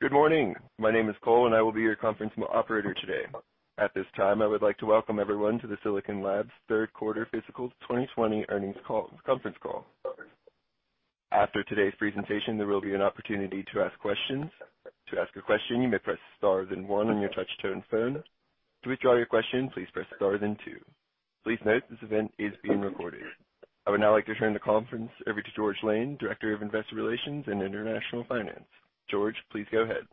Good morning. My name is Cole, and I will be your conference operator today. At this time, I would like to welcome everyone to the Silicon Labs Third Quarter Fiscal 2020 Earnings Conference Call. After today's presentation, there will be an opportunity to ask questions. To ask a question, you may press star, then one, on your touch-tone phone. To withdraw your question, please press star, then two. Please note this event is being recorded. I would now like to turn the conference over to George Lane, Director of Investor Relations and International Finance. George, please go ahead.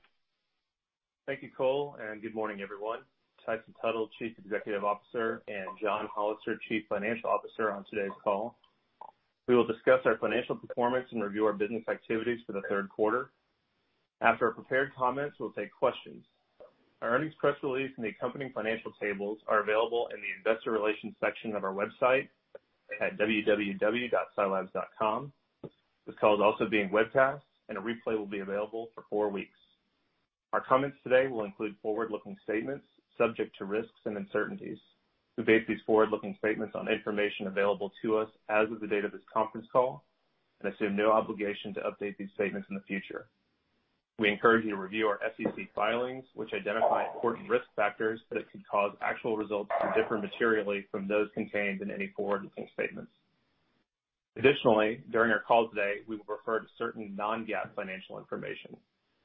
Thank you, Cole, and good morning, everyone. Tyson Tuttle, Chief Executive Officer, and John Hollister, Chief Financial Officer, on today's call. We will discuss our financial performance and review our business activities for the third quarter. After our prepared comments, we'll take questions. Our earnings press release and the accompanying financial tables are available in the Investor Relations section of our website at www.silabs.com. This call is also being webcast, and a replay will be available for four weeks. Our comments today will include forward-looking statements subject to risks and uncertainties. We base these forward-looking statements on information available to us as of the date of this conference call and assume no obligation to update these statements in the future. We encourage you to review our SEC filings, which identify important risk factors that could cause actual results to differ materially from those contained in any forward-looking statements. Additionally, during our call today, we will refer to certain non-GAAP financial information.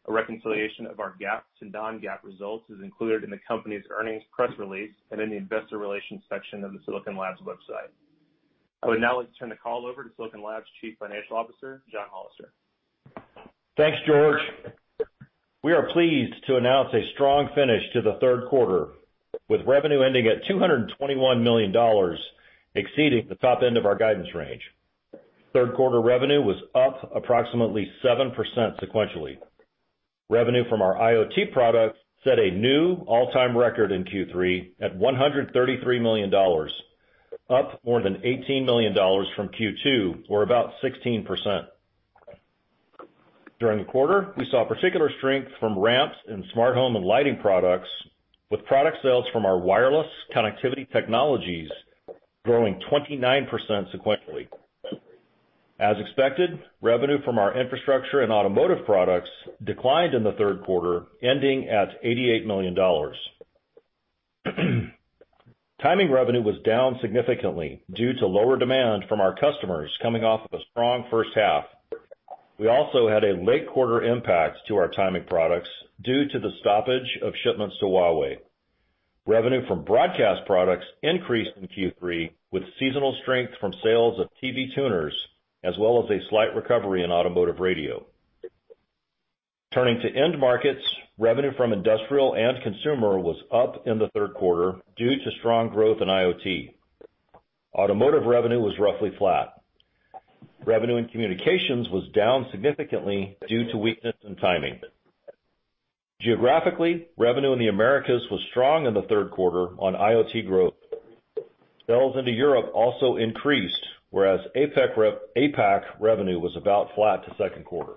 A reconciliation of our GAAP to non-GAAP results is included in the company's earnings press release and in the Investor Relations section of the Silicon Labs website. I would now like to turn the call over to Silicon Labs Chief Financial Officer, John Hollister. Thanks, George. We are pleased to announce a strong finish to the third quarter, with revenue ending at $221 million, exceeding the top end of our guidance range. Third quarter revenue was up approximately 7% sequentially. Revenue from our IoT products set a new all-time record in Q3 at $133 million, up more than $18 million from Q2, or about 16%. During the quarter, we saw particular strength from ramps and smart home and lighting products, with product sales from our wireless connectivity technologies growing 29% sequentially. As expected, revenue from our infrastructure and automotive products declined in the third quarter, ending at $88 million. Timing revenue was down significantly due to lower demand from our customers coming off of a strong first half. We also had a late quarter impact to our timing products due to the stoppage of shipments to Huawei. Revenue from broadcast products increased in Q3, with seasonal strength from sales of TV tuners, as well as a slight recovery in automotive radio. Turning to end markets, revenue from industrial and consumer was up in the third quarter due to strong growth in IoT. Automotive revenue was roughly flat. Revenue in communications was down significantly due to weakness in timing. Geographically, revenue in the Americas was strong in the third quarter on IoT growth. Sales into Europe also increased, whereas APAC revenue was about flat the second quarter.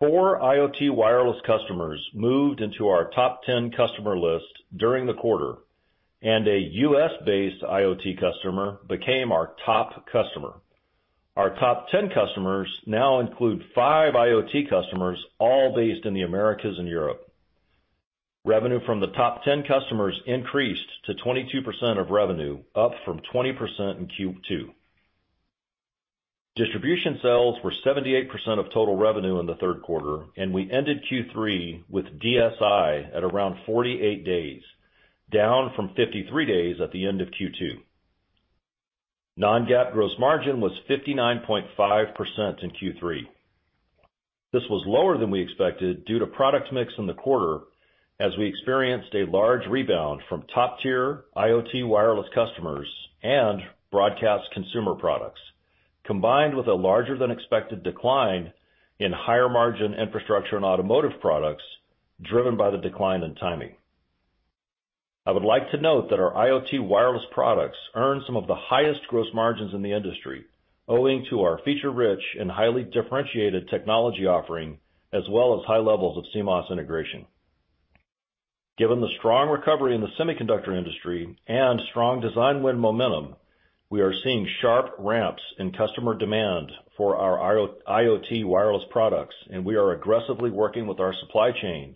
Four IoT wireless customers moved into our top 10 customer list during the quarter, and a U.S.-based IoT customer became our top customer. Our top 10 customers now include five IoT customers, all based in the Americas and Europe. Revenue from the top 10 customers increased to 22% of revenue, up from 20% in Q2. Distribution sales were 78% of total revenue in the third quarter, and we ended Q3 with DSI at around 48 days, down from 53 days at the end of Q2. Non-GAAP gross margin was 59.5% in Q3. This was lower than we expected due to product mix in the quarter, as we experienced a large rebound from top-tier IoT wireless customers and broadcast consumer products, combined with a larger-than-expected decline in higher-margin infrastructure and automotive products driven by the decline in timing. I would like to note that our IoT wireless products earned some of the highest gross margins in the industry, owing to our feature-rich and highly differentiated technology offering, as well as high levels of CMOS integration. Given the strong recovery in the semiconductor industry and strong design win momentum, we are seeing sharp ramps in customer demand for our IoT wireless products, and we are aggressively working with our supply chain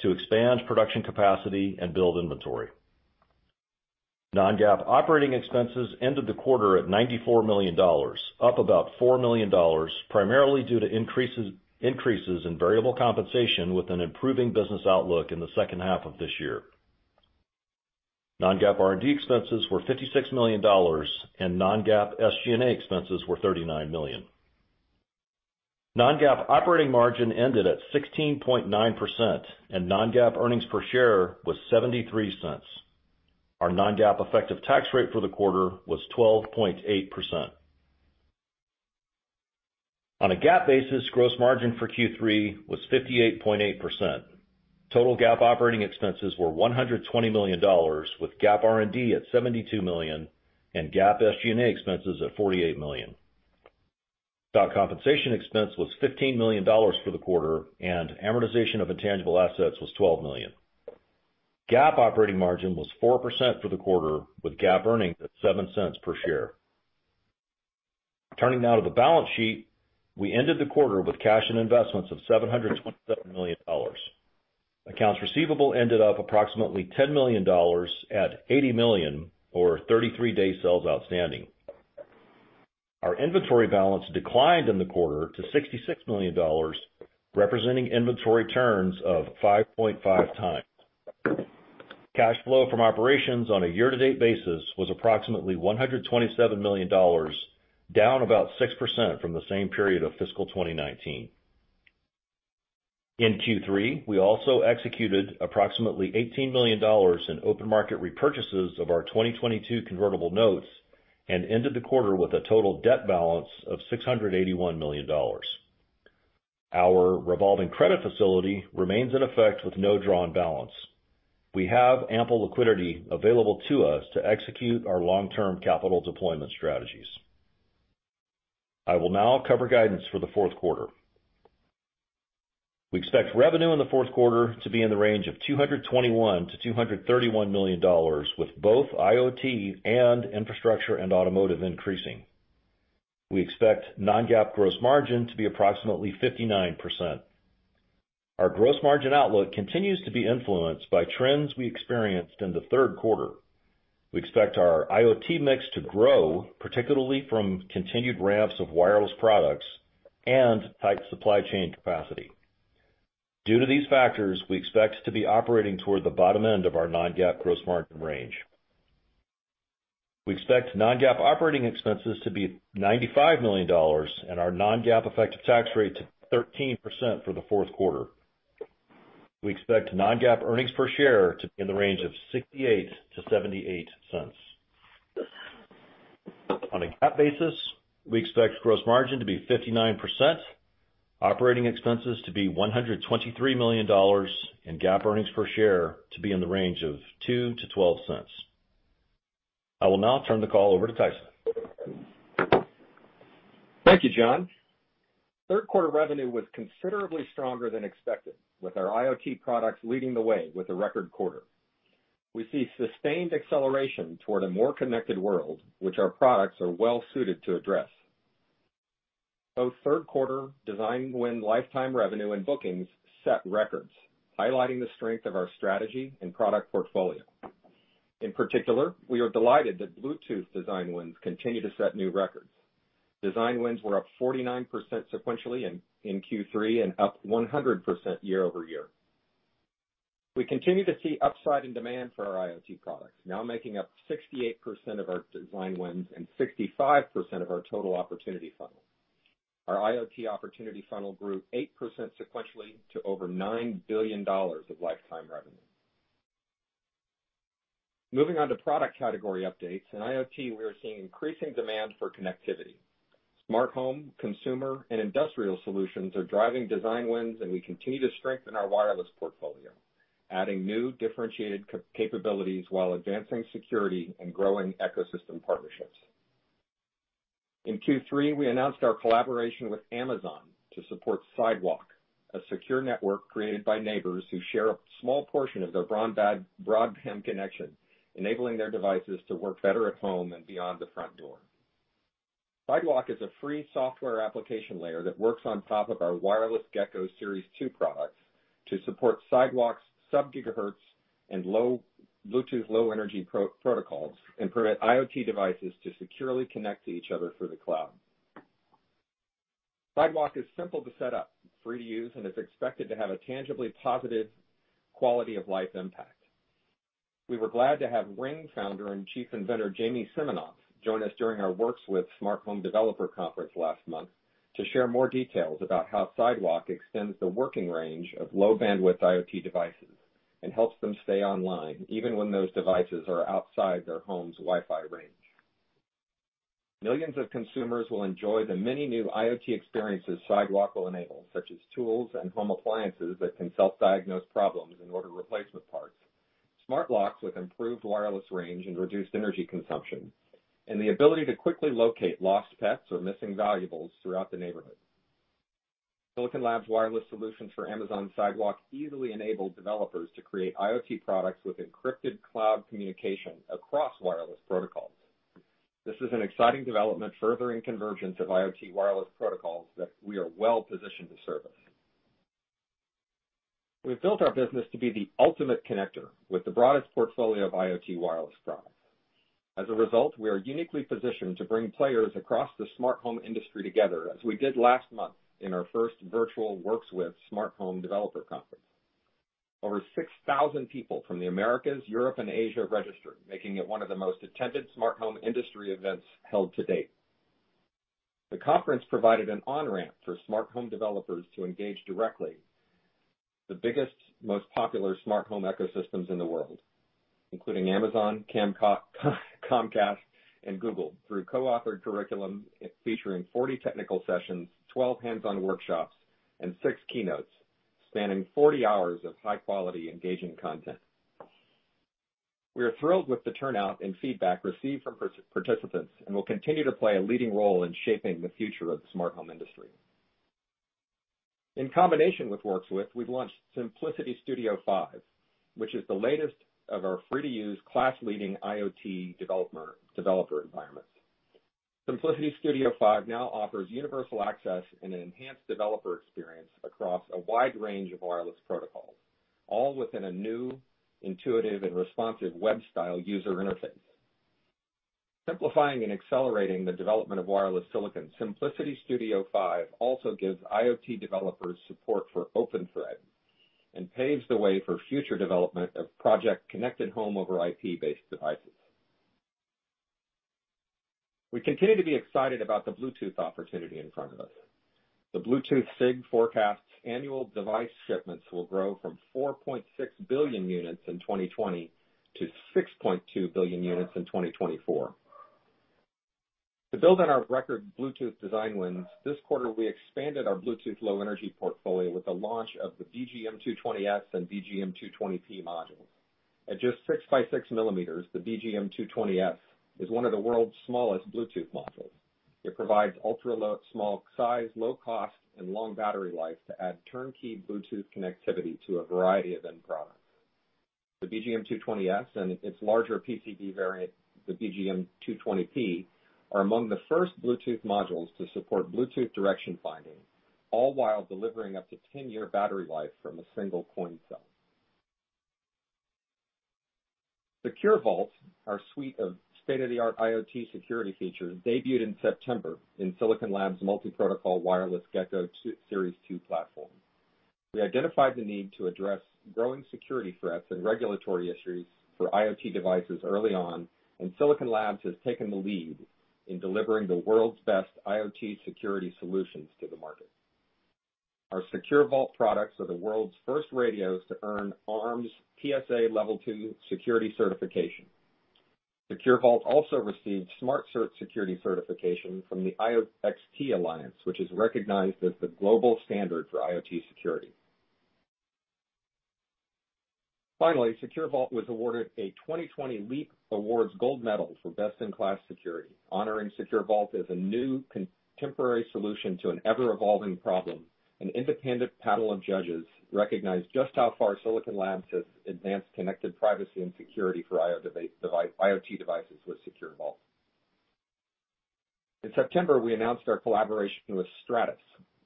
to expand production capacity and build inventory. Non-GAAP operating expenses ended the quarter at $94 million, up about $4 million, primarily due to increases in variable compensation with an improving business outlook in the second half of this year. Non-GAAP R&D expenses were $56 million, and non-GAAP SG&A expenses were $39 million. Non-GAAP operating margin ended at 16.9%, and non-GAAP earnings per share was $0.73. Our non-GAAP effective tax rate for the quarter was 12.8%. On a GAAP basis, gross margin for Q3 was 58.8%. Total GAAP operating expenses were $120 million, with GAAP R&D at $72 million and GAAP SG&A expenses at $48 million. GAAP compensation expense was $15 million for the quarter, and amortization of intangible assets was $12 million. GAAP operating margin was 4% for the quarter, with GAAP earnings at $0.07 per share. Turning now to the balance sheet, we ended the quarter with cash and investments of $727 million. Accounts receivable ended up approximately $10 million at $80 million, or 33 days sales outstanding. Our inventory balance declined in the quarter to $66 million, representing inventory turns of 5.5x. Cash flow from operations on a year-to-date basis was approximately $127 million, down about 6% from the same period of fiscal 2019. In Q3, we also executed approximately $18 million in open market repurchases of our 2022 convertible notes and ended the quarter with a total debt balance of $681 million. Our revolving credit facility remains in effect with no drawn balance. We have ample liquidity available to us to execute our long-term capital deployment strategies. I will now cover guidance for the fourth quarter. We expect revenue in the fourth quarter to be in the range of $221 million-$231 million, with both IoT and infrastructure and automotive increasing. We expect non-GAAP gross margin to be approximately 59%. Our gross margin outlook continues to be influenced by trends we experienced in the third quarter. We expect our IoT mix to grow, particularly from continued ramps of wireless products and tight supply chain capacity. Due to these factors, we expect to be operating toward the bottom end of our non-GAAP gross margin range. We expect non-GAAP operating expenses to be $95 million and our non-GAAP effective tax rate to be 13% for the fourth quarter. We expect non-GAAP earnings per share to be in the range of $0.68-$0.78. On a GAAP basis, we expect gross margin to be 59%, operating expenses to be $123 million, and GAAP earnings per share to be in the range of $0.02-$0.12. I will now turn the call over to Tyson. Thank you, John. Third quarter revenue was considerably stronger than expected, with our IoT products leading the way with the record quarter. We see sustained acceleration toward a more connected world, which our products are well-suited to address. Both third quarter design win lifetime revenue and bookings set records, highlighting the strength of our strategy and product portfolio. In particular, we are delighted that Bluetooth design wins continue to set new records. Design wins were up 49% sequentially in Q3 and up 100% year over year. We continue to see upside in demand for our IoT products, now making up 68% of our design wins and 65% of our total opportunity funnel. Our IoT opportunity funnel grew 8% sequentially to over $9 billion of lifetime revenue. Moving on to product category updates, in IoT, we are seeing increasing demand for connectivity. Smart home, consumer, and industrial solutions are driving design wins, and we continue to strengthen our wireless portfolio, adding new differentiated capabilities while advancing security and growing ecosystem partnerships. In Q3, we announced our collaboration with Amazon to support Sidewalk, a secure network created by neighbors who share a small portion of their broadband connection, enabling their devices to work better at home and beyond the front door. Sidewalk is a free software application layer that works on top of our Wireless Gecko Series 2 products to support Sidewalk's sub-gigahertz and Bluetooth low-energy protocols and permit IoT devices to securely connect to each other through the cloud. Sidewalk is simple to set up, free to use, and is expected to have a tangibly positive quality of life impact. We were glad to have Ring Founder and Chief Inventor Jamie Siminoff join us during our Works with Smart Home Developer Conference last month to share more details about how Sidewalk extends the working range of low-bandwidth IoT devices and helps them stay online even when those devices are outside their home's Wi-Fi range. Millions of consumers will enjoy the many new IoT experiences Sidewalk will enable, such as tools and home appliances that can self-diagnose problems and order replacement parts, smart locks with improved wireless range and reduced energy consumption, and the ability to quickly locate lost pets or missing valuables throughout the neighborhood. Silicon Labs' wireless solutions for Amazon Sidewalk easily enable developers to create IoT products with encrypted cloud communication across wireless protocols. This is an exciting development, furthering convergence of IoT wireless protocols that we are well-positioned to service. We've built our business to be the ultimate connector with the broadest portfolio of IoT wireless products. As a result, we are uniquely positioned to bring players across the smart home industry together, as we did last month in our first virtual Works with Smart Home Developer Conference. Over 6,000 people from the Americas, Europe, and Asia registered, making it one of the most attended smart home industry events held to date. The conference provided an on-ramp for smart home developers to engage directly with the biggest, most popular smart home ecosystems in the world, including Amazon, Comcast, and Google, through co-authored curriculum featuring 40 technical sessions, 12 hands-on workshops, and 6 keynotes, spanning 40 hours of high-quality, engaging content. We are thrilled with the turnout and feedback received from participants and will continue to play a leading role in shaping the future of the smart home industry. In combination with Works with, we've launched Simplicity Studio 5, which is the latest of our free-to-use, class-leading IoT developer environments. Simplicity Studio 5 now offers universal access and an enhanced developer experience across a wide range of wireless protocols, all within a new, intuitive, and responsive web-style user interface. Simplifying and accelerating the development of wireless silicon, Simplicity Studio 5 also gives IoT developers support for OpenThread and paves the way for future development of project-connected home over IP-based devices. We continue to be excited about the Bluetooth opportunity in front of us. The Bluetooth SIG forecasts annual device shipments will grow from 4.6 billion units in 2020 to 6.2 billion units in 2024. To build on our record Bluetooth design wins, this quarter we expanded our Bluetooth low-energy portfolio with the launch of the BGM220S and BGM220P modules. At just 6 by 6 millimeters, the BGM220S is one of the world's smallest Bluetooth modules. It provides ultra-small size, low cost, and long battery life to add turnkey Bluetooth connectivity to a variety of end products. The BGM220S and its larger PCB variant, the BGM220P, are among the first Bluetooth modules to support Bluetooth direction finding, all while delivering up to 10-year battery life from a single coin cell. Secure Vault, our suite of state-of-the-art IoT security features, debuted in September in Silicon Labs' multi-protocol Wireless Gecko Series 2 platform. We identified the need to address growing security threats and regulatory issues for IoT devices early on, and Silicon Labs has taken the lead in delivering the world's best IoT security solutions to the market. Our Secure Vault products are the world's first radios to earn ARM's PSA Level 2 security certification. Secure Vault also received SmartCert security certification from the IOXT Alliance, which is recognized as the global standard for IoT security. Finally, Secure Vault was awarded a 2020 LEAP Awards Gold Medal for best-in-class security, honoring Secure Vault as a new contemporary solution to an ever-evolving problem. An independent panel of judges recognized just how far Silicon Labs has advanced connected privacy and security for IoT devices with Secure Vault. In September, we announced our collaboration with Stratus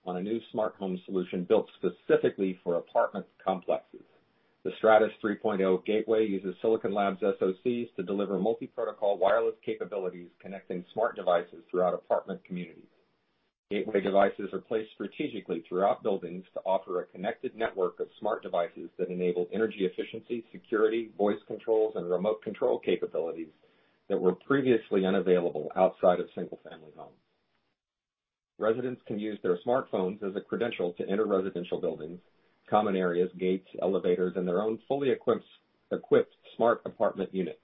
on a new smart home solution built specifically for apartment complexes. The Stratus 3.0 Gateway uses Silicon Labs' SoCs to deliver multi-protocol wireless capabilities, connecting smart devices throughout apartment communities. Gateway devices are placed strategically throughout buildings to offer a connected network of smart devices that enable energy efficiency, security, voice controls, and remote control capabilities that were previously unavailable outside of single-family homes. Residents can use their smartphones as a credential to enter residential buildings, common areas, gates, elevators, and their own fully equipped smart apartment unit.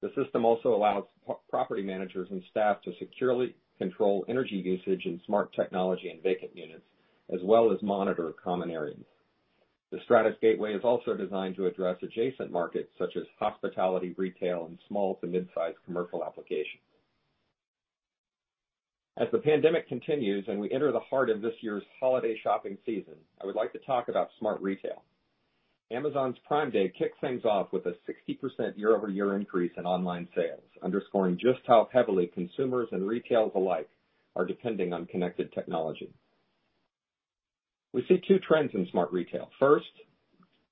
The system also allows property managers and staff to securely control energy usage and smart technology in vacant units, as well as monitor common areas. The Stratus Gateway is also designed to address adjacent markets such as hospitality, retail, and small to mid-size commercial applications. As the pandemic continues and we enter the heart of this year's holiday shopping season, I would like to talk about smart retail. Amazon's Prime Day kicked things off with a 60% year-over-year increase in online sales, underscoring just how heavily consumers and retailers alike are depending on connected technology. We see two trends in smart retail. First,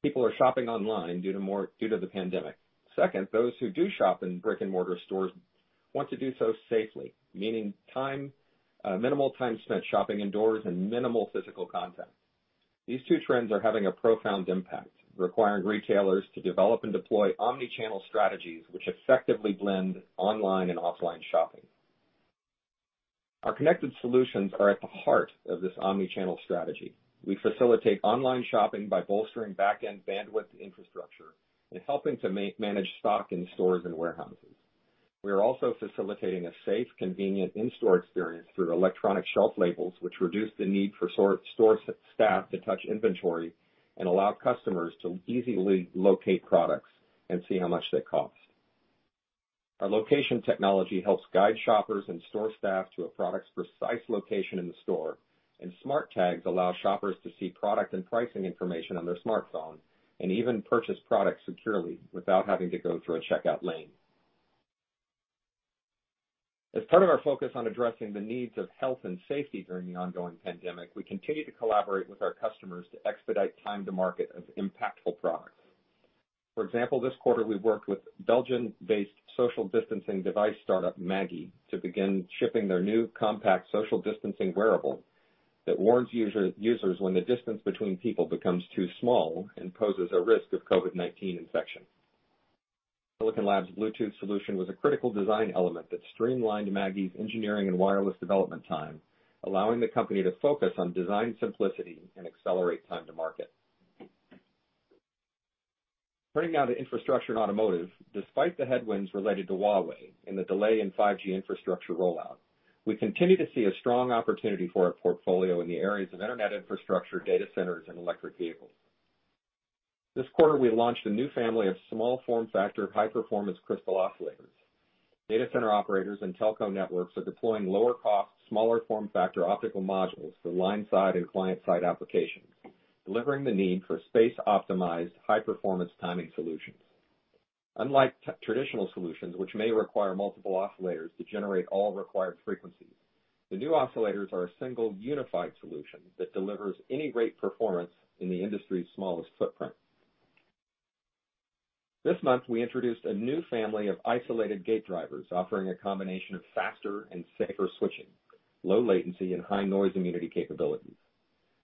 people are shopping online due to the pandemic. Second, those who do shop in brick-and-mortar stores want to do so safely, meaning minimal time spent shopping indoors and minimal physical contact. These two trends are having a profound impact, requiring retailers to develop and deploy omnichannel strategies which effectively blend online and offline shopping. Our connected solutions are at the heart of this omnichannel strategy. We facilitate online shopping by bolstering back-end bandwidth infrastructure and helping to manage stock in stores and warehouses. We are also facilitating a safe, convenient in-store experience through electronic shelf labels, which reduce the need for store staff to touch inventory and allow customers to easily locate products and see how much they cost. Our location technology helps guide shoppers and store staff to a product's precise location in the store, and smart tags allow shoppers to see product and pricing information on their smartphone and even purchase products securely without having to go through a checkout lane. As part of our focus on addressing the needs of health and safety during the ongoing pandemic, we continue to collaborate with our customers to expedite time-to-market of impactful products. For example, this quarter we worked with Belgian-based social distancing device startup Maggie to begin shipping their new compact social distancing wearable that warns users when the distance between people becomes too small and poses a risk of COVID-19 infection. Silicon Labs' Bluetooth solution was a critical design element that streamlined Maggie's engineering and wireless development time, allowing the company to focus on design simplicity and accelerate time-to-market. Turning now to infrastructure and automotive, despite the headwinds related to Huawei and the delay in 5G infrastructure rollout, we continue to see a strong opportunity for our portfolio in the areas of internet infrastructure, data centers, and electric vehicles. This quarter we launched a new family of small form factor, high-performance crystal oscillators. Data center operators and telco networks are deploying lower-cost, smaller form factor optical modules for line-side and client-side applications, delivering the need for space-optimized, high-performance timing solutions. Unlike traditional solutions, which may require multiple oscillators to generate all required frequencies, the new oscillators are a single unified solution that delivers any rate performance in the industry's smallest footprint. This month we introduced a new family of isolated gate drivers, offering a combination of faster and safer switching, low latency, and high noise immunity capabilities.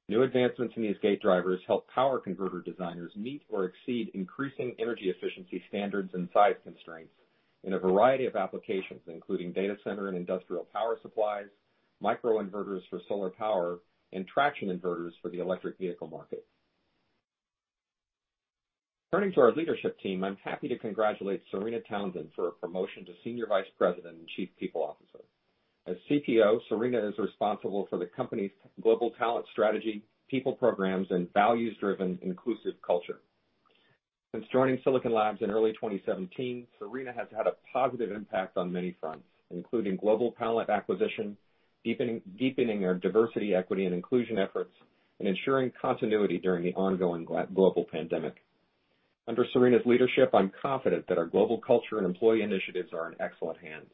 New advancements in these gate drivers help power converter designers meet or exceed increasing energy efficiency standards and size constraints in a variety of applications, including data center and industrial power supplies, microinverters for solar power, and traction inverters for the electric vehicle market. Turning to our leadership team, I'm happy to congratulate Serena Townsend for her promotion to Senior Vice President and Chief People Officer. As CPO, Serena is responsible for the company's global talent strategy, people programs, and values-driven inclusive culture. Since joining Silicon Labs in early 2017, Serena has had a positive impact on many fronts, including global talent acquisition, deepening our diversity, equity, and inclusion efforts, and ensuring continuity during the ongoing global pandemic. Under Serena's leadership, I'm confident that our global culture and employee initiatives are in excellent hands.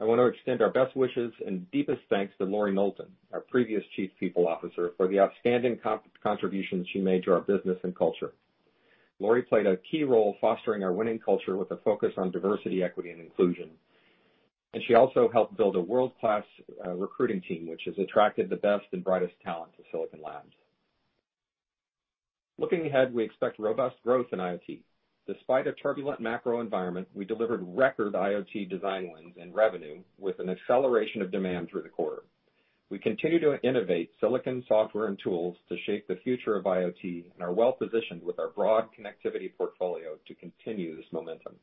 I want to extend our best wishes and deepest thanks to Lori Knowlton, our previous Chief People Officer, for the outstanding contributions she made to our business and culture. Lori played a key role fostering our winning culture with a focus on diversity, equity, and inclusion, and she also helped build a world-class recruiting team, which has attracted the best and brightest talent to Silicon Labs. Looking ahead, we expect robust growth in IoT. Despite a turbulent macro environment, we delivered record IoT design wins and revenue with an acceleration of demand through the quarter. We continue to innovate silicon, software, and tools to shape the future of IoT and are well-positioned with our broad connectivity portfolio to continue this momentum.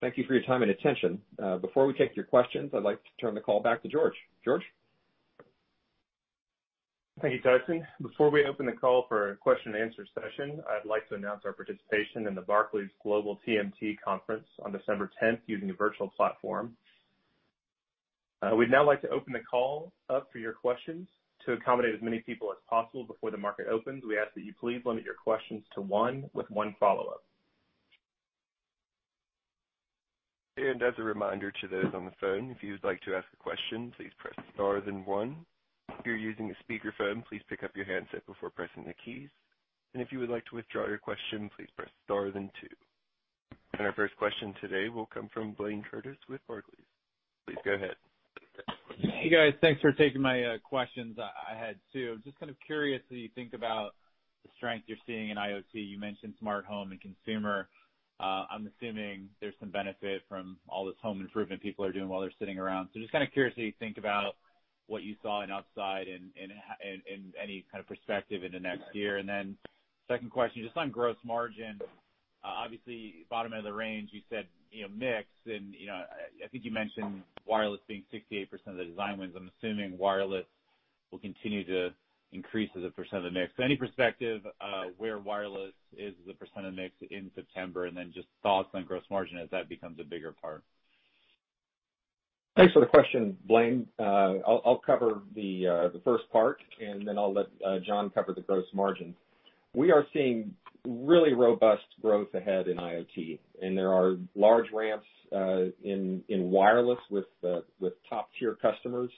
Thank you for your time and attention. Before we take your questions, I'd like to turn the call back to George. George? Thank you, Tyson. Before we open the call for a question-and-answer session, I'd like to announce our participation in the Barclays Global TMT Conference on December 10th using a virtual platform. We'd now like to open the call up for your questions. To accommodate as many people as possible before the market opens, we ask that you please limit your questions to one with one follow-up. As a reminder to those on the phone, if you'd like to ask a question, please press star and one. If you're using a speakerphone, please pick up your handset before pressing the keys. If you would like to withdraw your question, please press star and two. Our first question today will come from Blayne Curtis with Barclays. Please go ahead. Hey, guys. Thanks for taking my questions. I had two. I'm just kind of curious how you think about the strength you're seeing in IoT. You mentioned smart home and consumer. I'm assuming there's some benefit from all this home improvement people are doing while they're sitting around. Just kind of curious how you think about what you saw outside and any kind of perspective in the next year. Second question, just on gross margin, obviously bottom end of the range, you said mix. I think you mentioned wireless being 68% of the design wins. I'm assuming wireless will continue to increase as a percent of the mix. Any perspective where wireless is as a percent of the mix in September and just thoughts on gross margin as that becomes a bigger part? Thanks for the question, Blayne. I'll cover the first part, and then I'll let John cover the gross margin. We are seeing really robust growth ahead in IoT, and there are large ramps in wireless with top-tier customers.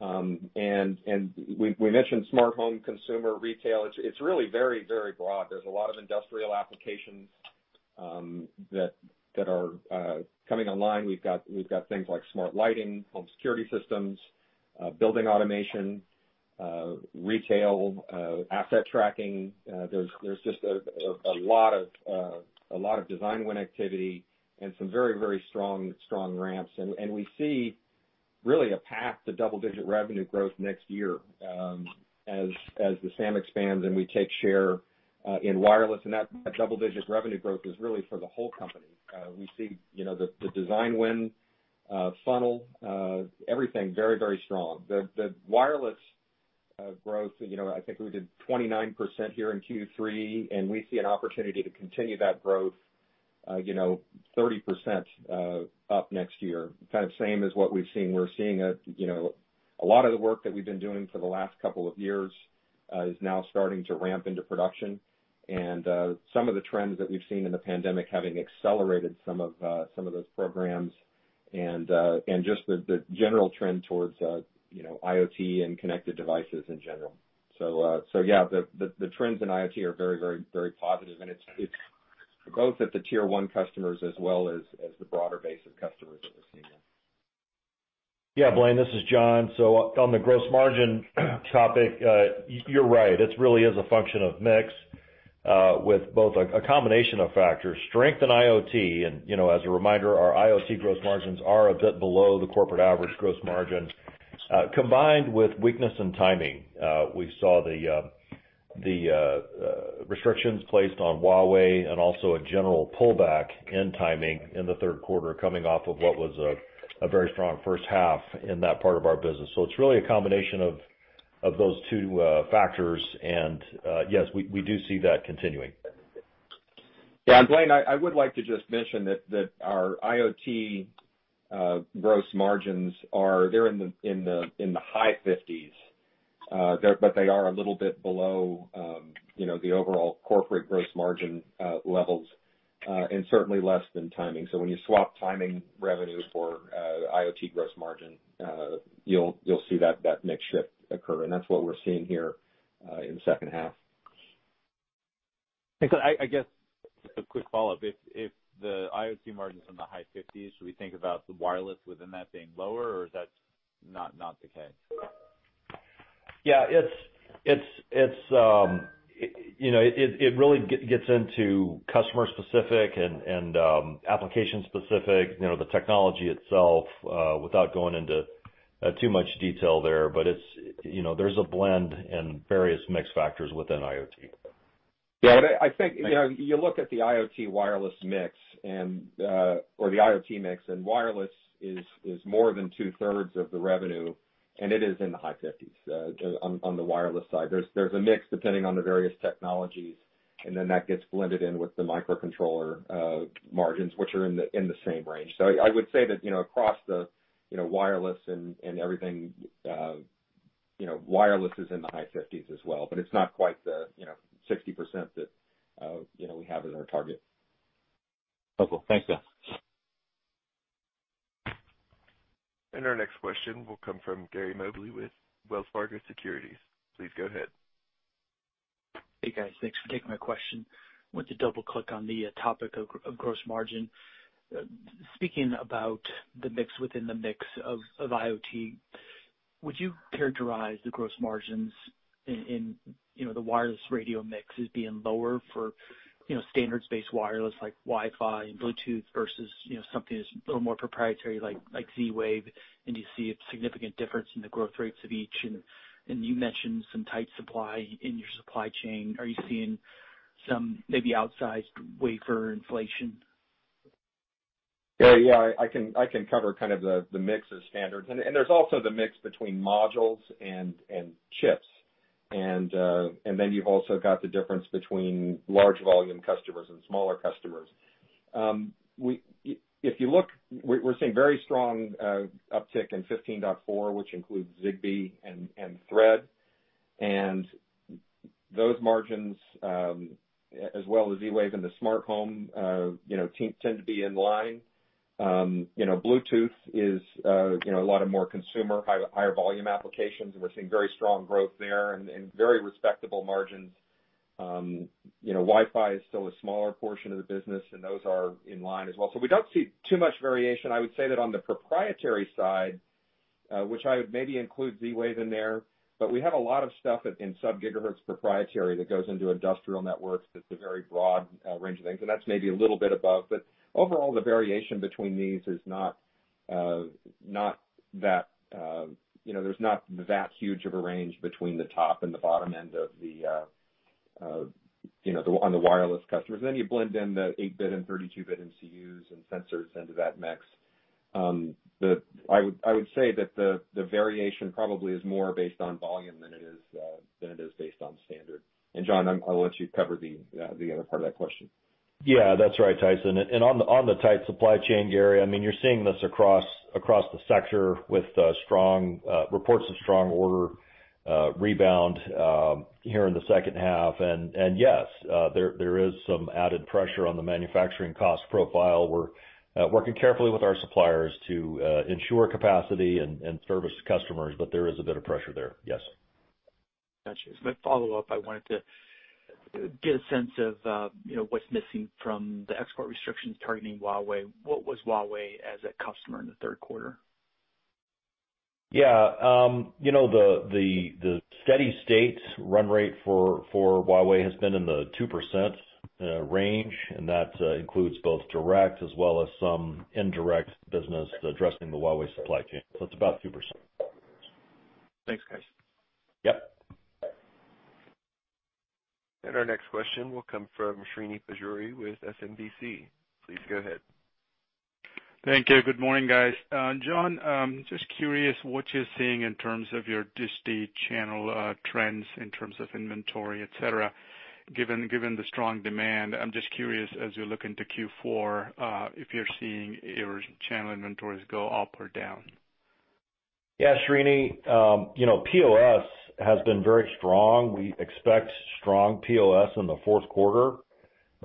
We mentioned smart home, consumer, retail. It's really very, very broad. There's a lot of industrial applications that are coming online. We've got things like smart lighting, home security systems, building automation, retail, asset tracking. There's just a lot of design win activity and some very, very strong ramps. We see really a path to double-digit revenue growth next year as the SAM expands and we take share in wireless. That double-digit revenue growth is really for the whole company. We see the design win, funnel, everything very, very strong. The wireless growth, I think we did 29% here in Q3, and we see an opportunity to continue that growth 30% up next year. Kind of same as what we've seen. We're seeing a lot of the work that we've been doing for the last couple of years is now starting to ramp into production. Some of the trends that we've seen in the pandemic have accelerated some of those programs and just the general trend towards IoT and connected devices in general. Yeah, the trends in IoT are very, very, very positive, and it's both at the tier-one customers as well as the broader base of customers that we're seeing now. Yeah, Blayne, this is John. On the gross margin topic, you're right. It really is a function of mix with both a combination of factors. Strength in IoT, and as a reminder, our IoT gross margins are a bit below the corporate average gross margin. Combined with weakness in timing, we saw the restrictions placed on Huawei and also a general pullback in timing in the third quarter coming off of what was a very strong first half in that part of our business. It is really a combination of those two factors, and yes, we do see that continuing. Yeah, and Blayne, I would like to just mention that our IoT gross margins, they're in the high 50s, but they are a little bit below the overall corporate gross margin levels and certainly less than timing. When you swap timing revenue for IoT gross margin, you'll see that mix shift occur, and that's what we're seeing here in the second half. I guess a quick follow-up. If the IoT margin's in the high 50s, should we think about the wireless within that being lower, or is that not the case? Yeah, it really gets into customer-specific and application-specific, the technology itself, without going into too much detail there. There's a blend and various mix factors within IoT. Yeah, I think you look at the IoT wireless mix or the IoT mix, and wireless is more than 2/3 of the revenue, and it is in the high 50s on the wireless side. There's a mix depending on the various technologies, and then that gets blended in with the microcontroller margins, which are in the same range. I would say that across the wireless and everything, wireless is in the high 50s as well, but it's not quite the 60% that we have as our target. Okay. Thanks, guys. Our next question will come from Gary Mobley with Wells Fargo Securities. Please go ahead. Hey, guys. Thanks for taking my question. I want to double-click on the topic of gross margin. Speaking about the mix within the mix of IoT, would you characterize the gross margins in the wireless radio mix as being lower for standards-based wireless like Wi-Fi and Bluetooth versus something that's a little more proprietary like Z-Wave? Do you see a significant difference in the growth rates of each? You mentioned some tight supply in your supply chain. Are you seeing some maybe outsized wafer inflation? Yeah, yeah. I can cover kind of the mix of standards. There is also the mix between modules and chips. Then you've also got the difference between large volume customers and smaller customers. If you look, we're seeing very strong uptick in 15.4, which includes Zigbee and Thread. Those margins, as well as Z-Wave and the smart home, tend to be in line. Bluetooth is a lot of more consumer, higher volume applications, and we're seeing very strong growth there and very respectable margins. Wi-Fi is still a smaller portion of the business, and those are in line as well. We don't see too much variation. I would say that on the proprietary side, which I would maybe include Z-Wave in there, but we have a lot of stuff in sub-gigahertz proprietary that goes into industrial networks that's a very broad range of things. That's maybe a little bit above. Overall, the variation between these is not that there's not that huge of a range between the top and the bottom end of the on the wireless customers. You blend in the 8-bit and 32-bit MCUs and sensors into that mix. I would say that the variation probably is more based on volume than it is based on standard. John, I'll let you cover the other part of that question. Yeah, that's right, Tyson. On the tight supply chain, Gary, I mean, you're seeing this across the sector with reports of strong order rebound here in the second half. Yes, there is some added pressure on the manufacturing cost profile. We're working carefully with our suppliers to ensure capacity and service customers, but there is a bit of pressure there. Yes. Got it. As a follow-up, I wanted to get a sense of what's missing from the export restrictions targeting Huawei. What was Huawei as a customer in the third quarter? Yeah. The steady state run rate for Huawei has been in the 2% range, and that includes both direct as well as some indirect business addressing the Huawei supply chain. It is about 2%. Thanks, guys. Yep. Our next question will come from Srini Pajjuri with SMBC. Please go ahead. Thank you. Good morning, guys. John, just curious what you're seeing in terms of your distinct channel trends in terms of inventory, etc. Given the strong demand, I'm just curious, as you're looking to Q4, if you're seeing your channel inventories go up or down. Yeah, Srini, POS has been very strong. We expect strong POS in the fourth quarter.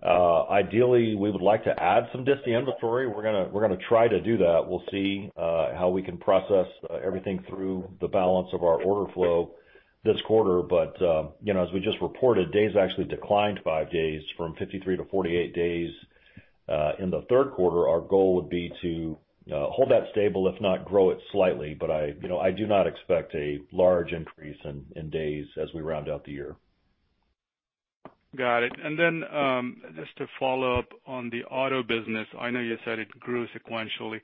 Ideally, we would like to add some distinct inventory. We're going to try to do that. We'll see how we can process everything through the balance of our order flow this quarter. As we just reported, days actually declined five days from 53 to 48 days in the third quarter. Our goal would be to hold that stable, if not grow it slightly. I do not expect a large increase in days as we round out the year. Got it. Just to follow up on the auto business, I know you said it grew sequentially.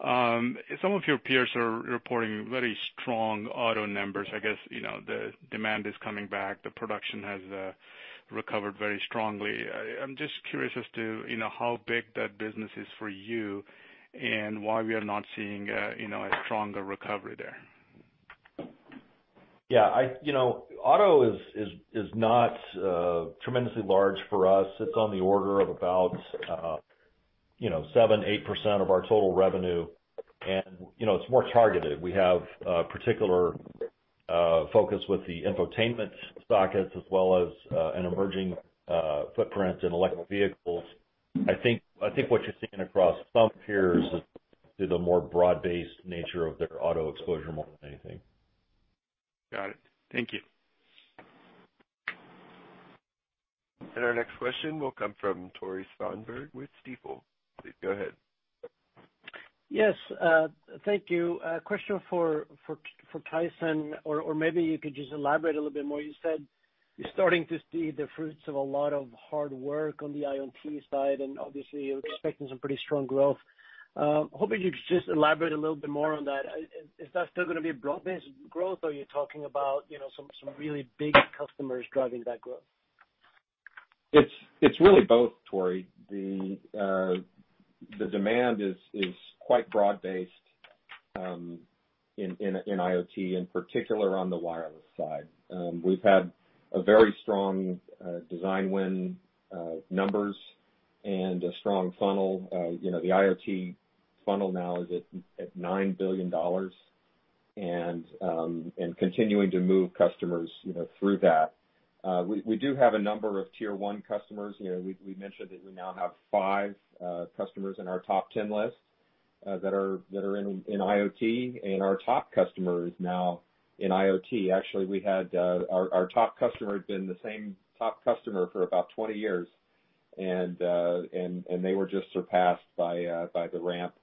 Some of your peers are reporting very strong auto numbers. I guess the demand is coming back. The production has recovered very strongly. I'm just curious as to how big that business is for you and why we are not seeing a stronger recovery there. Yeah. Auto is not tremendously large for us. It's on the order of about 7%-8% of our total revenue. And it's more targeted. We have particular focus with the infotainment sockets as well as an emerging footprint in electric vehicles. I think what you're seeing across some peers is the more broad-based nature of their auto exposure more than anything. Got it. Thank you. Our next question will come from Tore Svanberg with Stifel. Please go ahead. Yes. Thank you. Question for Tyson, or maybe you could just elaborate a little bit more. You said you're starting to see the fruits of a lot of hard work on the IoT side, and obviously, you're expecting some pretty strong growth. Hoping you could just elaborate a little bit more on that. Is that still going to be a broad-based growth, or are you talking about some really big customers driving that growth? It's really both, Tory. The demand is quite broad-based in IoT, in particular on the wireless side. We've had very strong design win numbers and a strong funnel. The IoT funnel now is at $9 billion and continuing to move customers through that. We do have a number of tier-one customers. We mentioned that we now have five customers in our top 10 list that are in IoT, and our top customer is now in IoT. Actually, we had our top customer had been the same top customer for about 20 years, and they were just surpassed by the ramp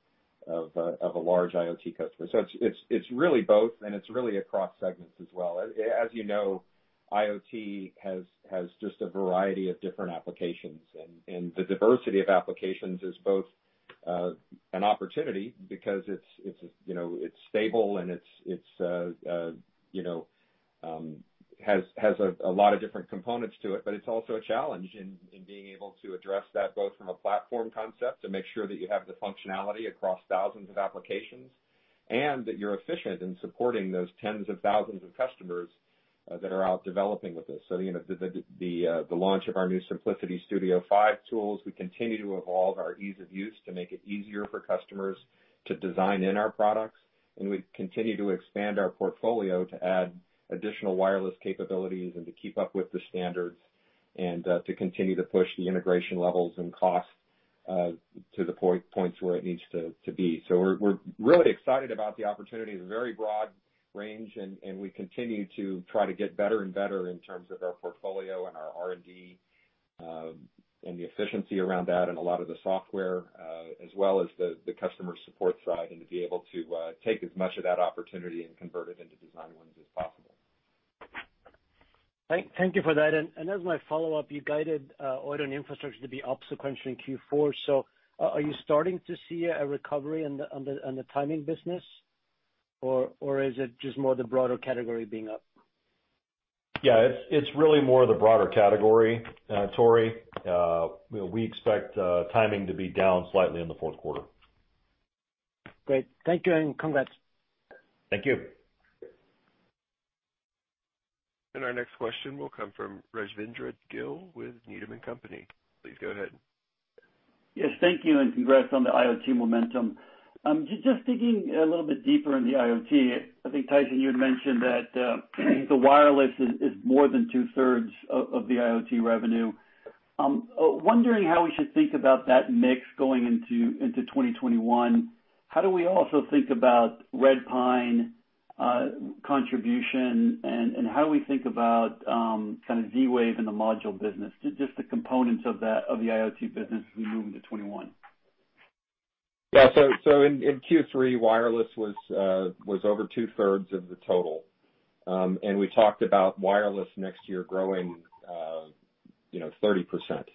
of a large IoT customer. It's really both, and it's really across segments as well. As you know, IoT has just a variety of different applications, and the diversity of applications is both an opportunity because it's stable and it has a lot of different components to it, but it's also a challenge in being able to address that both from a platform concept to make sure that you have the functionality across thousands of applications and that you're efficient in supporting those tens of thousands of customers that are out developing with us. The launch of our new Simplicity Studio 5 tools, we continue to evolve our ease of use to make it easier for customers to design in our products. We continue to expand our portfolio to add additional wireless capabilities and to keep up with the standards and to continue to push the integration levels and cost to the points where it needs to be. We're really excited about the opportunity of a very broad range, and we continue to try to get better and better in terms of our portfolio and our R&D and the efficiency around that and a lot of the software as well as the customer support side and to be able to take as much of that opportunity and convert it into design wins as possible. Thank you for that. As my follow-up, you guided auto and infrastructure to be up sequentially in Q4. Are you starting to see a recovery in the timing business, or is it just more the broader category being up? Yeah, it's really more the broader category, Tory. We expect timing to be down slightly in the fourth quarter. Great. Thank you and congrats. Thank you. Our next question will come from Rajvindra Gill with Needham & Company. Please go ahead. Yes, thank you and congrats on the IoT momentum. Just digging a little bit deeper in the IoT, I think, Tyson, you had mentioned that the wireless is more than two-thirds of the IoT revenue. Wondering how we should think about that mix going into 2021. How do we also think about Redpine contribution, and how do we think about kind of Z-Wave in the module business, just the components of the IoT business as we move into 2021? Yeah. In Q3, wireless was over 2/3 of the total. We talked about wireless next year growing 30%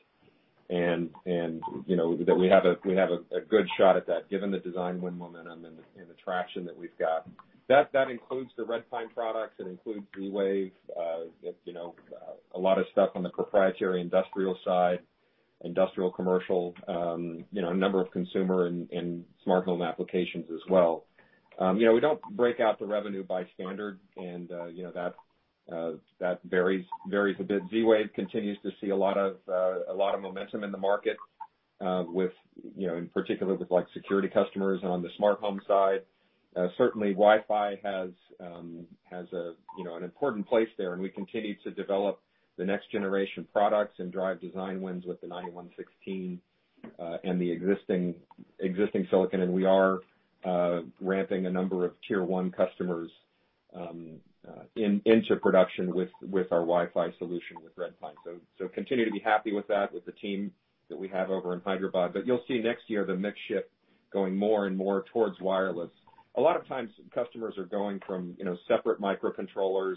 and that we have a good shot at that given the design win momentum and the traction that we've got. That includes the Redpine products. It includes Z-Wave, a lot of stuff on the proprietary industrial side, industrial commercial, a number of consumer and smart home applications as well. We do not break out the revenue by standard, and that varies a bit. Z-Wave continues to see a lot of momentum in the market, in particular with security customers on the smart home side. Certainly, Wi-Fi has an important place there, and we continue to develop the next generation products and drive design wins with the 9116 and the existing silicon. We are ramping a number of tier-one customers into production with our Wi-Fi solution with Redpine. We continue to be happy with that, with the team that we have over in Hyderabad. You will see next year the mix shift going more and more towards wireless. A lot of times, customers are going from separate microcontrollers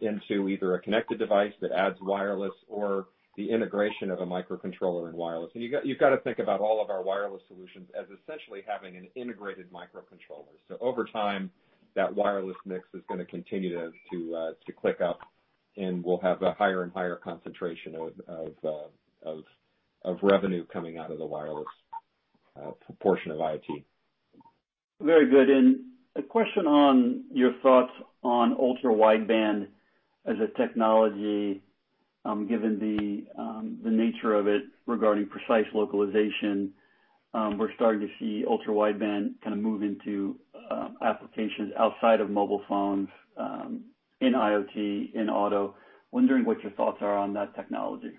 into either a connected device that adds wireless or the integration of a microcontroller and wireless. You have got to think about all of our wireless solutions as essentially having an integrated microcontroller. Over time, that wireless mix is going to continue to click up, and we will have a higher and higher concentration of revenue coming out of the wireless portion of IoT. Very good. A question on your thoughts on ultra-wideband as a technology, given the nature of it regarding precise localization. We are starting to see ultra-wideband kind of move into applications outside of mobile phones in IoT, in auto. Wondering what your thoughts are on that technology.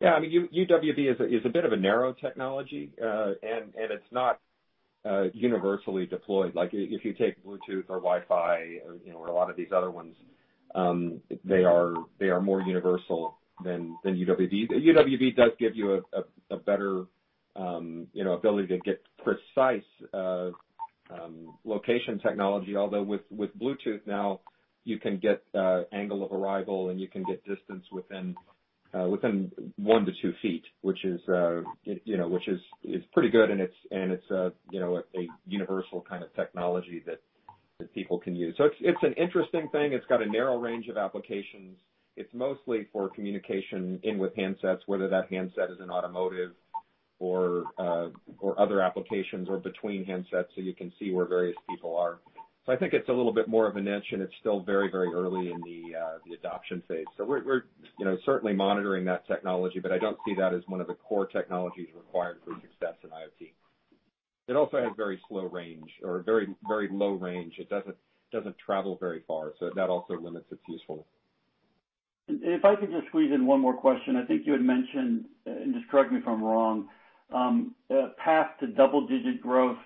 Yeah. I mean, UWB is a bit of a narrow technology, and it is not universally deployed. If you take Bluetooth or Wi-Fi or a lot of these other ones, they are more universal than UWB. UWB does give you a better ability to get precise location technology, although with Bluetooth now, you can get angle of arrival, and you can get distance within one to two feet, which is pretty good, and it's a universal kind of technology that people can use. It's an interesting thing. It's got a narrow range of applications. It's mostly for communication in with handsets, whether that handset is an automotive or other applications or between handsets, so you can see where various people are. I think it's a little bit more of a niche, and it's still very, very early in the adoption phase. We're certainly monitoring that technology, but I don't see that as one of the core technologies required for success in IoT. It also has very slow range or very low range. It doesn't travel very far, so that also limits its usefulness. If I could just squeeze in one more question, I think you had mentioned, and just correct me if I'm wrong, a path to double-digit growth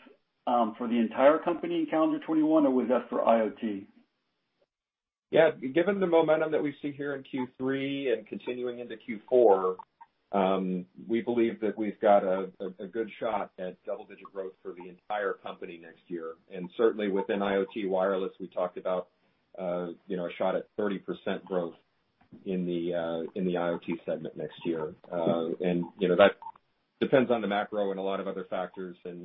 for the entire company in calendar 2021, or was that for IoT? Yeah. Given the momentum that we see here in Q3 and continuing into Q4, we believe that we've got a good shot at double-digit growth for the entire company next year. Certainly, within IoT wireless, we talked about a shot at 30% growth in the IoT segment next year. That depends on the macro and a lot of other factors and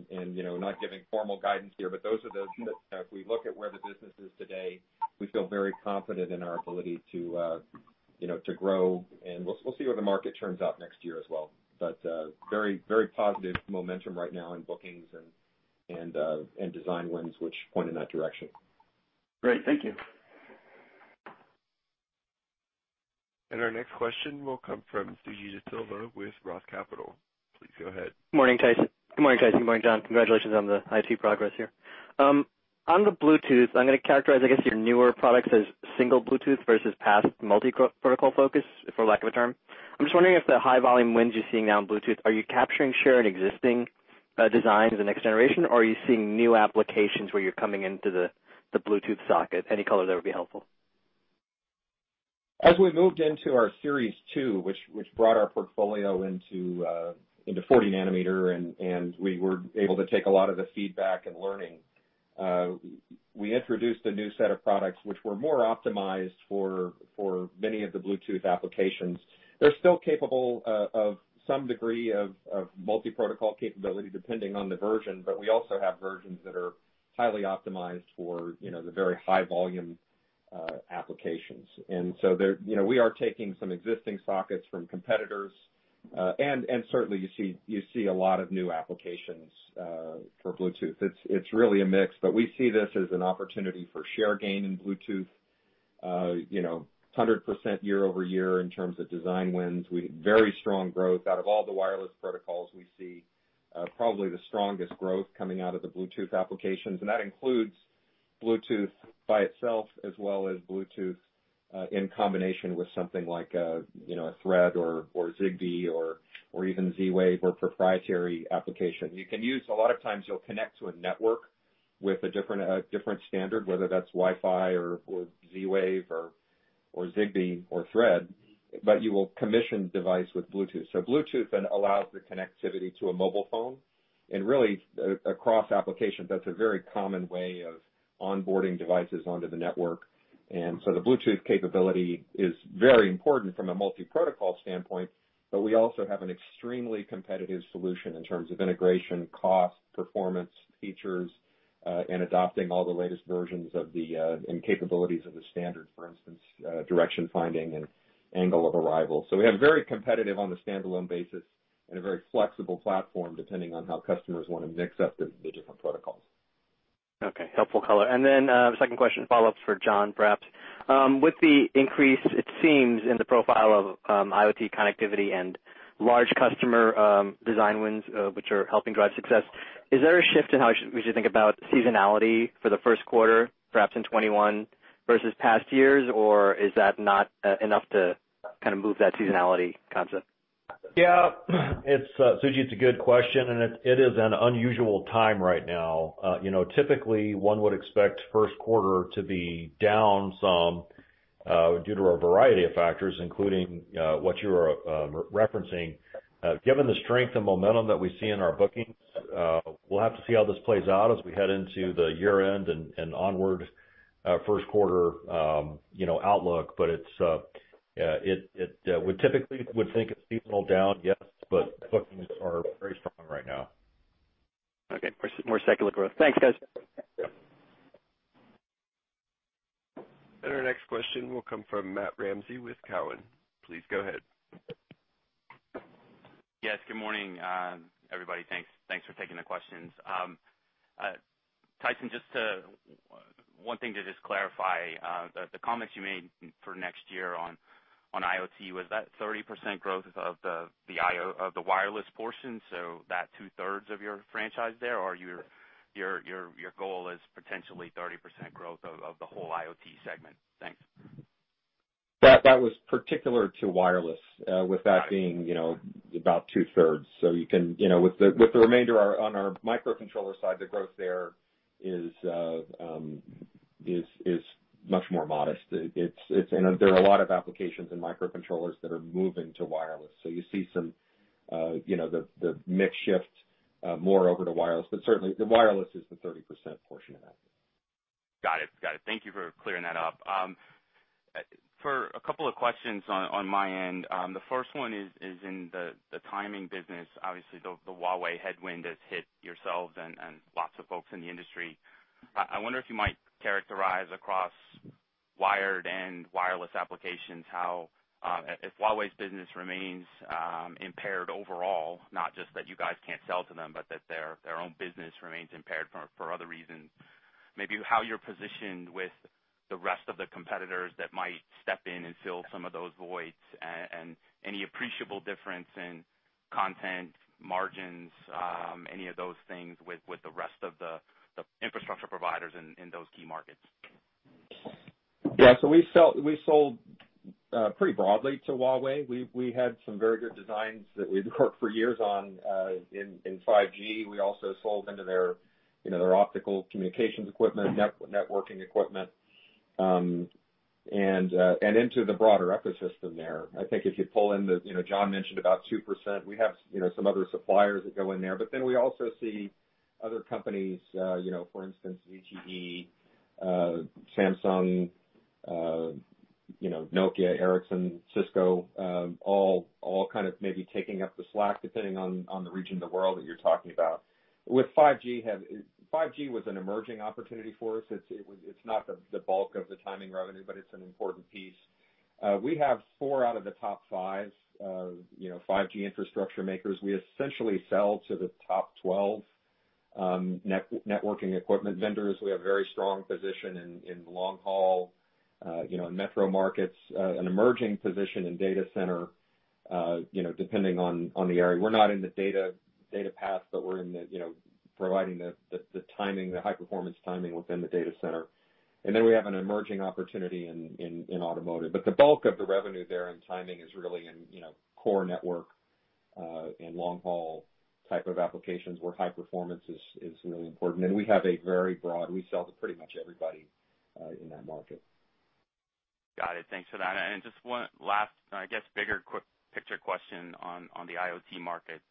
not giving formal guidance here, but if we look at where the business is today, we feel very confident in our ability to grow. We'll see where the market turns out next year as well. Very positive momentum right now in bookings and design wins, which point in that direction. Great. Thank you. Our next question will come from Srini Pajjuri with Roth Capital. Please go ahead. Good morning, Tyson. Good morning, Tyson. Good morning, John. Congratulations on the IoT progress here. On the Bluetooth, I'm going to characterize, I guess, your newer products as single Bluetooth versus past multi-protocol focus, for lack of a term. I'm just wondering if the high-volume wins you're seeing now in Bluetooth, are you capturing share in existing designs and next generation, or are you seeing new applications where you're coming into the Bluetooth socket? Any color there would be helpful. As we moved into our Series 2, which brought our portfolio into 40 nanometer, and we were able to take a lot of the feedback and learning, we introduced a new set of products which were more optimized for many of the Bluetooth applications. They're still capable of some degree of multi-protocol capability depending on the version, but we also have versions that are highly optimized for the very high-volume applications. We are taking some existing sockets from competitors, and certainly, you see a lot of new applications for Bluetooth. It's really a mix, but we see this as an opportunity for share gain in Bluetooth, 100% year over year in terms of design wins. We have very strong growth. Out of all the wireless protocols, we see probably the strongest growth coming out of the Bluetooth applications. That includes Bluetooth by itself as well as Bluetooth in combination with something like a Thread or Zigbee or even Z-Wave or proprietary application. You can use a lot of times you'll connect to a network with a different standard, whether that's Wi-Fi or Z-Wave or Zigbee or Thread, but you will commission the device with Bluetooth. Bluetooth then allows the connectivity to a mobile phone. Really, across applications, that's a very common way of onboarding devices onto the network. The Bluetooth capability is very important from a multi-protocol standpoint, but we also have an extremely competitive solution in terms of integration, cost, performance, features, and adopting all the latest versions and capabilities of the standard, for instance, direction finding and angle of arrival. We have very competitive on the standalone basis and a very flexible platform depending on how customers want to mix up the different protocols. Okay. Helpful color. Then second question, follow-up for John, perhaps. With the increase, it seems, in the profile of IoT connectivity and large customer design wins, which are helping drive success, is there a shift in how we should think about seasonality for the first quarter, perhaps in 2021 versus past years, or is that not enough to kind of move that seasonality concept? Yeah. Suji, it's a good question, and it is an unusual time right now. Typically, one would expect first quarter to be down some due to a variety of factors, including what you are referencing. Given the strength and momentum that we see in our bookings, we'll have to see how this plays out as we head into the year-end and onward first quarter outlook, but we typically would think it's seasonal down, yes, but bookings are very strong right now. Okay. More secular growth. Thanks, guys. Our next question will come from Matt Ramsay with Cowen. Please go ahead. Yes. Good morning, everybody. Thanks for taking the questions. Tyson, just one thing to just clarify. The comments you made for next year on IoT, was that 30% growth of the wireless portion, so that two-thirds of your franchise there, or your goal is potentially 30% growth of the whole IoT segment? Thanks. That was particular to wireless, with that being about 2/3. With the remainder on our microcontroller side, the growth there is much more modest. There are a lot of applications and microcontrollers that are moving to wireless. You see some of the mix shift more over to wireless, but certainly, the wireless is the 30% portion of that. Got it. Thank you for clearing that up. For a couple of questions on my end, the first one is in the timing business. Obviously, the Huawei headwind has hit yourselves and lots of folks in the industry. I wonder if you might characterize across wired and wireless applications how, if Huawei's business remains impaired overall, not just that you guys can't sell to them, but that their own business remains impaired for other reasons, maybe how you're positioned with the rest of the competitors that might step in and fill some of those voids and any appreciable difference in content, margins, any of those things with the rest of the infrastructure providers in those key markets. Yeah. We sold pretty broadly to Huawei. We had some very good designs that we'd worked for years on in 5G. We also sold into their optical communications equipment, networking equipment, and into the broader ecosystem there. I think if you pull in the John mentioned about 2%, we have some other suppliers that go in there. We also see other companies, for instance, ZTE, Samsung, Nokia, Ericsson, Cisco, all kind of maybe taking up the slack depending on the region of the world that you're talking about. With 5G, 5G was an emerging opportunity for us. It's not the bulk of the timing revenue, but it's an important piece. We have four out of the top five 5G infrastructure makers. We essentially sell to the top 12 networking equipment vendors. We have a very strong position in long-haul and metro markets, an emerging position in data center depending on the area. We're not in the data path, but we're in providing the timing, the high-performance timing within the data center. We have an emerging opportunity in automotive. The bulk of the revenue there in timing is really in core network and long-haul type of applications where high performance is really important. We have a very broad we sell to pretty much everybody in that market. Got it. Thanks for that. Just one last, I guess, bigger quick picture question on the IoT markets.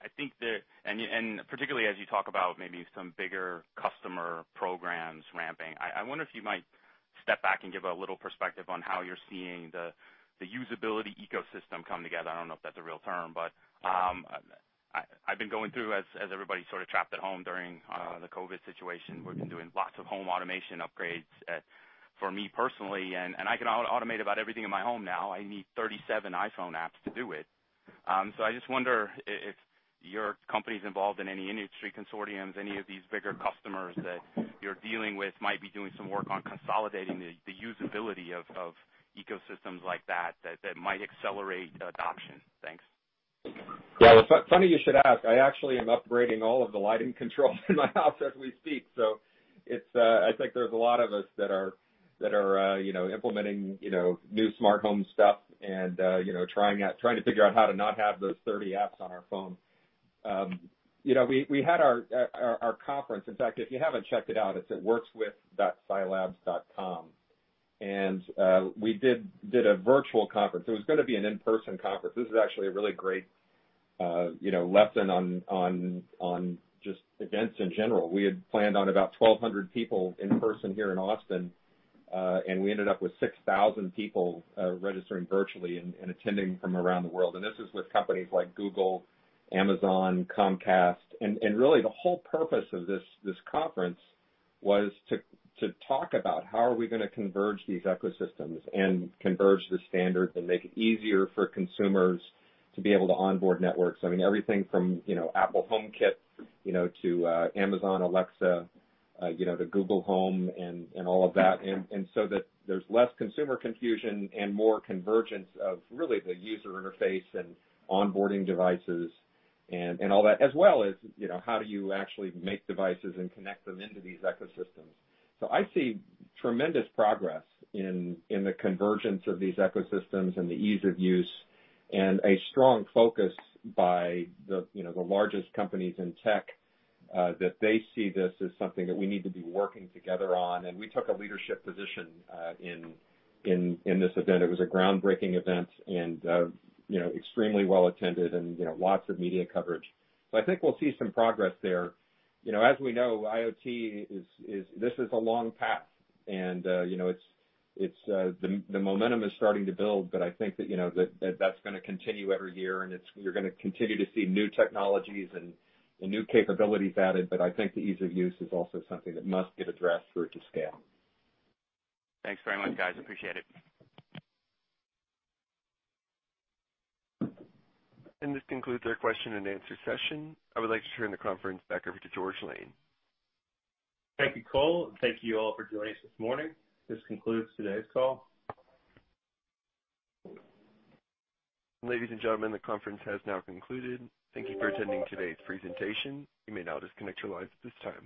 I think that, and particularly as you talk about maybe some bigger customer programs ramping, I wonder if you might step back and give a little perspective on how you're seeing the usability ecosystem come together. I do not know if that's a real term, but I've been going through, as everybody's sort of trapped at home during the COVID situation, we've been doing lots of home automation upgrades for me personally. I can automate about everything in my home now. I need 37 iPhone apps to do it. I just wonder if your company's involved in any industry consortiums, any of these bigger customers that you're dealing with might be doing some work on consolidating the usability of ecosystems like that that might accelerate adoption. Thanks. Yeah. It's funny you should ask. I actually am upgrading all of the lighting controls in my house as we speak. I think there's a lot of us that are implementing new smart home stuff and trying to figure out how to not have those 30 apps on our phone. We had our conference. In fact, if you haven't checked it out, it's at workswith.silabs.com. We did a virtual conference. It was going to be an in-person conference. This is actually a really great lesson on just events in general. We had planned on about 1,200 people in person here in Austin, and we ended up with 6,000 people registering virtually and attending from around the world. This is with companies like Google, Amazon, Comcast. Really, the whole purpose of this conference was to talk about how are we going to converge these ecosystems and converge the standards and make it easier for consumers to be able to onboard networks. I mean, everything from Apple HomeKit to Amazon Alexa to Google Home and all of that, so that there's less consumer confusion and more convergence of really the user interface and onboarding devices and all that, as well as how do you actually make devices and connect them into these ecosystems. I see tremendous progress in the convergence of these ecosystems and the ease of use and a strong focus by the largest companies in tech that they see this as something that we need to be working together on. We took a leadership position in this event. It was a groundbreaking event and extremely well attended and lots of media coverage. I think we'll see some progress there. As we know, IoT, this is a long path, and the momentum is starting to build, but I think that that's going to continue every year, and you're going to continue to see new technologies and new capabilities added. I think the ease of use is also something that must get addressed for it to scale. Thanks very much, guys. Appreciate it. This concludes our question and answer session. I would like to turn the conference back over to George Lane. Thank you, Cole. Thank you all for joining us this morning. This concludes today's call. Ladies and gentlemen, the conference has now concluded. Thank you for attending today's presentation. You may now disconnect your lines at this time.